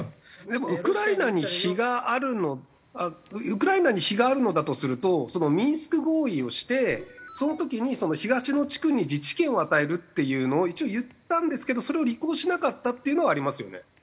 でもウクライナに非があるのウクライナに非があるのだとするとミンスク合意をしてその時に東の地区に自治権を与えるっていうのを一応言ったんですけどそれを履行しなかったっていうのはありますよね？